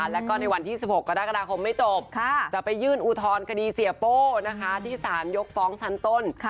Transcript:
แล้วก็ในวันที่๑๖กรกฎาคมไม่จบจะไปยื่นอุทธรณคดีเสียโป้นะคะที่สารยกฟ้องชั้นต้น